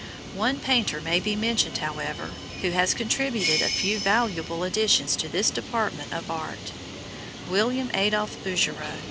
One painter may be mentioned, however, who has contributed a few valuable additions to this department of art, William Adolphe Bouguereau.